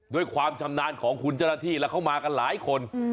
ความชำนาญของคุณเจ้าหน้าที่แล้วเขามากันหลายคน